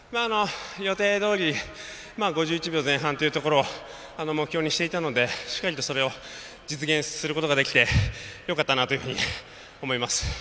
予定どおり５１秒前半というところを目標にしていたのでしっかりそれを実現できてよかったなというふうに思います。